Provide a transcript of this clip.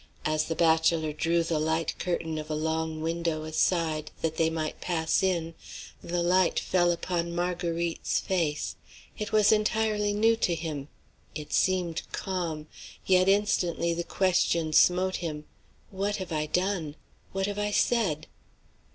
As the bachelor drew the light curtain of a long window aside, that they might pass in, the light fell upon Marguerite's face. It was entirely new to him. It seemed calm. Yet instantly the question smote him, "What have I done? what have I said?"